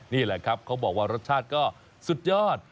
นี่แหละครับเขาบอกว่ารสชาติก็สุดยอด